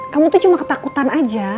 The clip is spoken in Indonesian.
kamu tuh cuma ketakutan aja